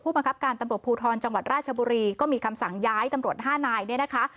บังคับการตำรวจภูทรจังหวัดราชบุรีก็มีคำสั่งย้ายตำรวจห้านายเนี่ยนะคะ